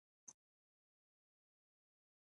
ازادي راډیو د مالي پالیسي په اړه د کارپوهانو خبرې خپرې کړي.